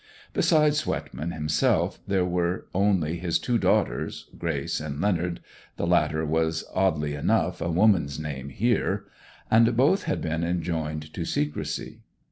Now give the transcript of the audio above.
Besides Swetman himself, there were only his two daughters, Grace and Leonard (the latter was, oddly enough, a woman's name here), and both had been enjoined to secrecy.